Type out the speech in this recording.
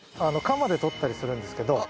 カマで取ったりするんですけど。